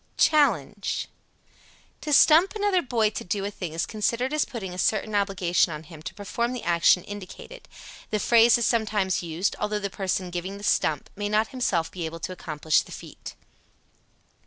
_ CHALLENGE. To "stump" another boy to do a thing is considered as putting a certain obligation on him to perform the action indicated. The phrase is sometimes used, although the person giving the "stump" may not himself be able to accomplish the feat.